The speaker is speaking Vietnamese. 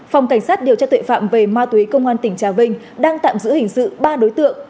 phòng cảnh sát điều tra tuệ phạm về ma túy công an tỉnh trà vinh đang tạm giữ hình sự ba đối tượng